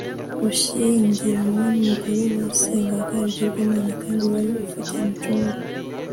Gushyingiranwa numugore wasengaga ibigirwamana kandi wari ufite imico mibi